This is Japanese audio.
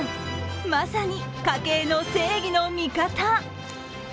まさに家計の正義の味方。